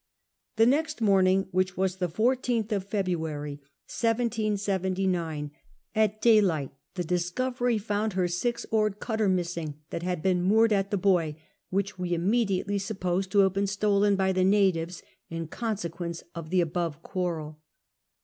The next morning, which was the 14th February 1779, at daylight the Dimovery found lier six oai'cd cutter missing, that had been moored at the buoy, wliieh we immediately supposed to have been stolen by the natives, in consequence of the above quarrel.